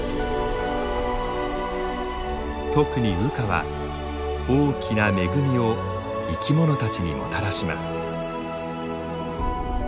特に羽化は大きな恵みを生き物たちにもたらします。